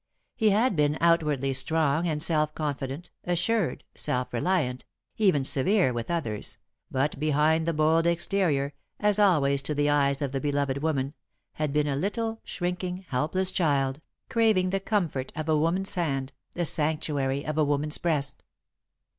He had been outwardly strong and self confident, assured, self reliant, even severe with others, but behind the bold exterior, as always to the eyes of the beloved woman, had been a little, shrinking, helpless child, craving the comfort of a woman's hand the sanctuary of a woman's breast.